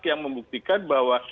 yang membuktikan bahwa